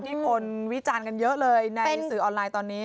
คนวิจารณ์กันเยอะเลยในสื่อออนไลน์ตอนนี้